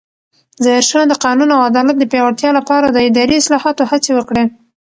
ظاهرشاه د قانون او عدالت د پیاوړتیا لپاره د اداري اصلاحاتو هڅې وکړې.